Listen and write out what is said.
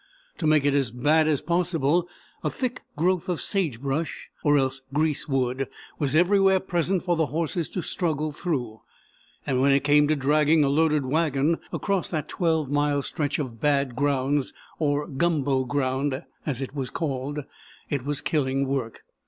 To make it as bad as possible, a thick growth of sage brush or else grease wood was everywhere present for the horses to struggle through, and when it came to dragging a loaded wagon across that 12 mile stretch of "bad grounds" or "gumbo ground," as it was called, it was killing work.